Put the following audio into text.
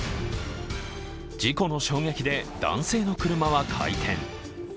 事故の衝撃で男性の車は回転。